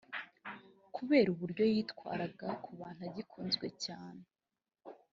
Kubera uburyo yitwaraga ku bantu agikunzwe cyane